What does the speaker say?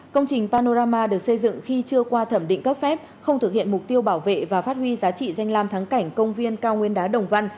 công trình panorama được xây dựng khi chưa qua thẩm định cấp phép không thực hiện mục tiêu bảo vệ và phát huy giá trị danh làm thắng cảnh công viên cao nguyên đá đồng văn